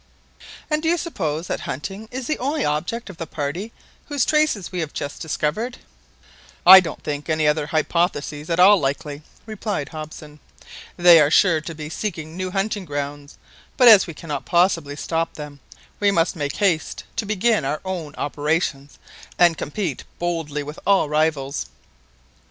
"And do you suppose that hunting is the only object of the party whose traces we have just discovered?" "I don't think any other hypotheses at all likely," replied Hobson. "They are sure to be seeking new hunting grounds. But as we cannot possibly stop them, we must make haste to begin our own operations, and compete boldly with all rivals."